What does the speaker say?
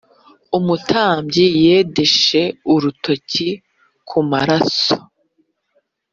Umutambyi yendeshe urutoki ku maraso